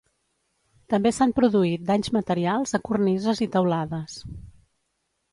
També s’han produït danys materials a cornises i teulades.